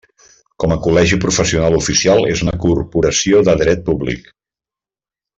Com a col·legi professional oficial és una Corporació de dret públic.